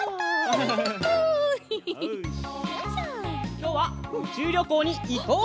きょうはうちゅうりょこうにいこう！